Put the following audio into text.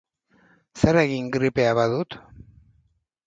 Zer egin gripea badut?